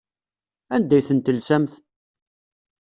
Anda ay ten-telsamt?